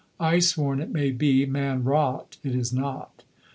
Ice worn it may be, man wrought it is not.